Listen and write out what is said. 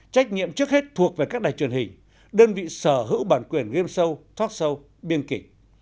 trách nhiệm trước hết thuộc về các đài truyền hình đơn vị sở hữu bản quyền game show talk show biên kịch